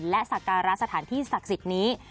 และสักการะสถานที่ศักดิ์สิทธิ์นี้